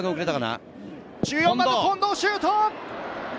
１４番の近藤、シュート！